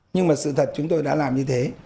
nhưng mà sự thật chúng tôi đã làm như thế